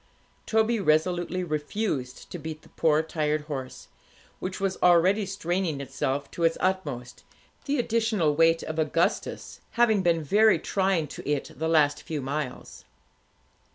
Toby resolutely refused to beat the poor tired horse, which was already straining itself to its utmost, the additional weight of Augustus having been very trying to it the last few miles.